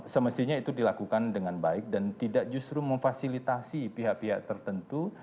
semestinya itu dilakukan dengan baik dan tidak justru memfasilitasi pihak pihak tertentu